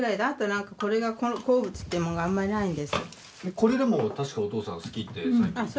これでも確かお父さん好きってネギ味噌。